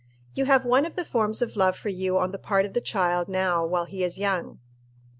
You have one of the forms of love for you on the part of the child now while he is young.